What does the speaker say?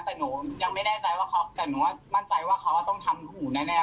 แต่หนูยังไม่แน่ใจว่าเขาแต่หนูว่ามั่นใจว่าเขาต้องทำหูแน่